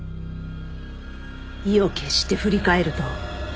意を決して振り返ると。